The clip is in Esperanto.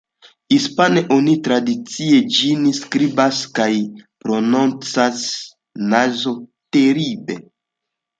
Hispane, oni tradicie ĝin skribas kaj prononcas "Nazo-Teribe".